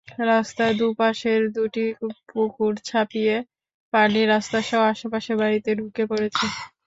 রাস্তার দুপাশের দুটি পুকুর ছাপিয়ে পানি রাস্তাসহ আশপাশের বাড়িতে ঢুকে পড়েছে।